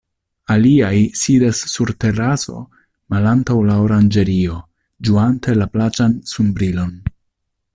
Aliaj sidas sur teraso malantaŭ la oranĝerio, ĝuante la plaĉan sunbrilon.